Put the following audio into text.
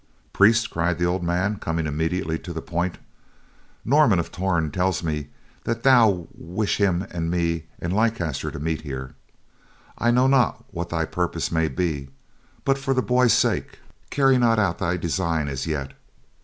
"Priest," cried the old man, coming immediately to the point, "Norman of Torn tells me that thou wish him and me and Leicester to meet here. I know not what thy purpose may be, but for the boy's sake, carry not out thy design as yet.